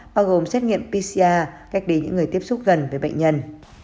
bao gồm xét nghiệm pcr cách đây những người tiếp xúc gần với bệnh nhân